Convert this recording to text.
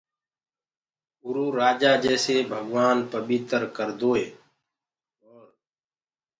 اُرو رآجآ جيسي ڀگوآن پٻيٚتر ڪردوئي اورَ